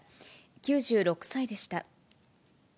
９６歳でした。